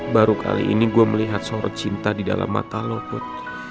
baru kali ini gue melihat sorot cinta di dalam mata lo put